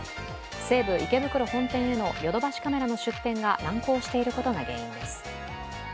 西武池袋本店へのヨドバシカメラの出店が難航していることが原因です。